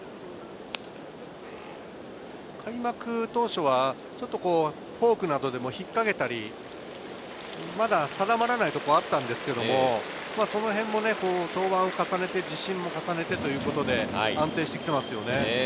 開幕当初はちょっとフォークなどでも引っかけたり、まだ定まらないところがあったんですけれど、登板を重ねて自信を重ねて、安定してきていますよね。